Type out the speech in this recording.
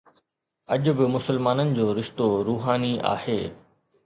اڄ به مسلمانن جو رشتو روحاني آهي.